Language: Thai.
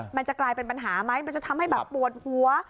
มันจะกลายเป็นปัญหาไหมมันจะทำให้แบบปวดหัว